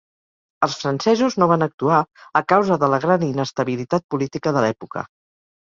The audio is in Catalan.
Els francesos no van actuar a causa de la gran inestabilitat política de l'època.